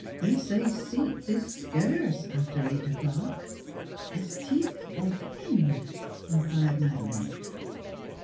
They say seats is skurse after eight o'clock." "As teeth of hen?" inquired Madeleine.